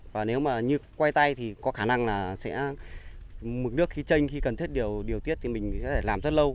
và nếu mà như quay tay thì có khả năng là sẽ mực nước khi chanh khi cần thiết điều tiết thì mình có thể làm rất lâu